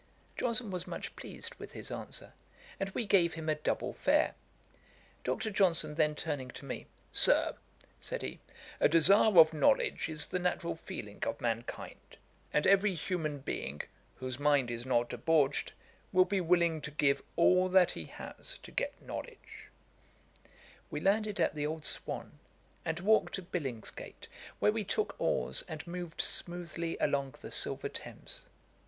Johnson was much pleased with his answer, and we gave him a double fare. Dr. Johnson then turning to me, 'Sir, (said he) a desire of knowledge is the natural feeling of mankind; and every human being, whose mind is not debauched, will be willing to give all that he has to get knowledge.' We landed at the Old Swan, and walked to Billingsgate, where we took oars, and moved smoothly along the silver Thames.